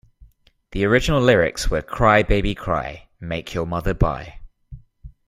The original lyrics were Cry baby cry, make your mother buy.